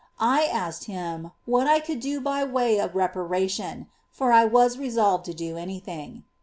I asked Him what I could do by way of repara tion ; for I was resolved to do any thing.